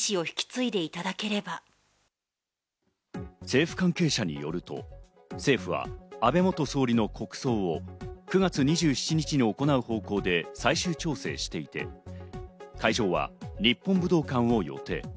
政府関係者によると、政府は安倍元総理の国葬を９月２７日に行う方向で最終調整していて、会場は日本武道館を予定。